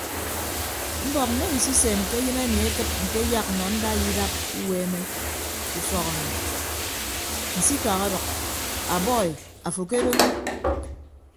Mbọk mme nsusen ke ayịn ami akịd nte eyak nọ ndaiya idap uweeme ke ufọk ami nsikak ọdʌk a bọi afo kedo.